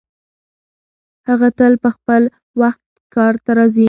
هغه تل په خپل وخت کار ته راځي.